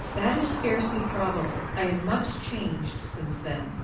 That is scarcely probable:—I am much changed since then.